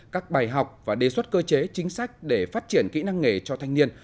các bài học và đề xuất cơ chế chính sách để phát triển kỹ năng nghề cho thanh niên